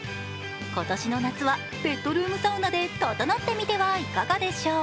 今年の夏はベッドルームサウナでととのってみてはいかがでしょう。